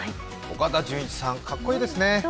岡田准一さん、かっこいいですね。